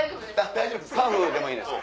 大丈夫ですか。